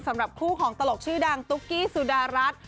สำหรับคู่ของตลกชื่อดังตุ๊กกี้สุดารัฐ